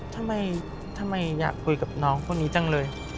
ทำไมอยากคุยกับน้องคนนี้จังเลย